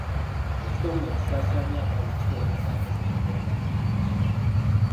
Ekitongole ekisaasaanya amazzi kirongoosa amazzi mu ggwanga lyonna.